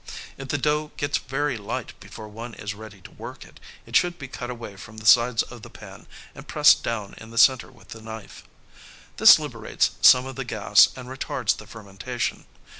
If the dough gets very light before one is ready to work it, it should be cut away from the sides of the pan and pressed down in the center with the knife. This liberates some of the gas and retards the fermentation.